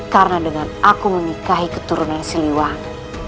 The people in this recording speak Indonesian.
karena dengan aku menikahi keturunan siliwang